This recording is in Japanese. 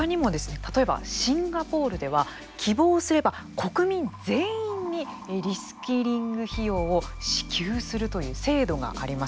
例えば、シンガポールでは希望すれば、国民全員にリスキリング費用を支給するという制度があります。